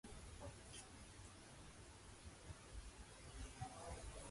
მხატვარი კარლ ტაკერი უბნის ახალმოსახლეა.